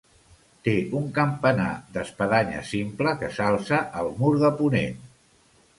Té un campanar d'espadanya simple que s'alça al mur de ponent.